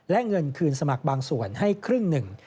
และเงินคืนสมัครบางส่วนให้ครึ่งหนึ่ง